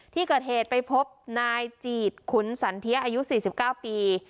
ที่เกิดเหตุไปพบนายจีดขุนสันเทียอายุ๔๙ปี